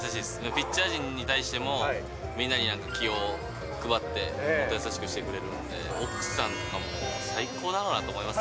ピッチャー陣に対しても、みんなになんか気を配って、優しくしてくれるので、奥さんなんかもう最高だろうなと思います。